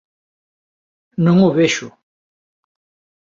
Non o vexo.